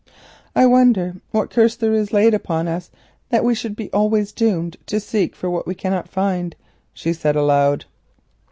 "I wonder what curse there is laid upon us that we should be always doomed to seek what we cannot find?" she said aloud.